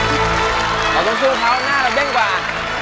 เราต้องสู้เขาหน้าเราเด้งกว่า